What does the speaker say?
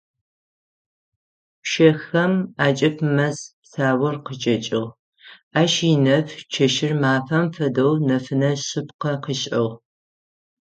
Пщэхэм акӏыб мэз псаур къычӏэкӏыгъ, ащ инэф чэщыр мафэм фэдэу нэфынэ шъыпкъэ къышӏыгъ.